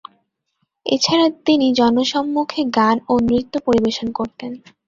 এছাড়া তিনি জনসম্মুখে গান ও নৃত্য পরিবেশন করতেন।